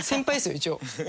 一応。